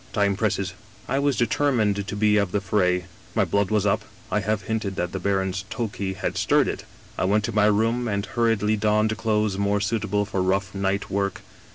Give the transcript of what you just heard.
Time presses.' " I was determined to be of the fray; my blood was up I have hinted that the baron's Tokay had stirred it. " I went to my room and hurriedly donned clothes more suitable for rough night work.